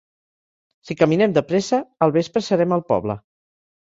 Si caminem de pressa, al vespre serem al poble.